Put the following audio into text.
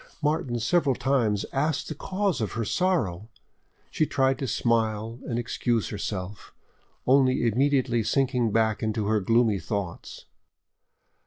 Martin several times asked the cause of her sorrow; she tried to smile and excuse herself, only immediately sinking back into her gloomy thoughts.